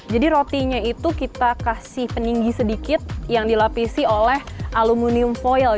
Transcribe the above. jadi rotinya itu kita kasih peninggi sedikit yang dilapisi oleh aluminium foil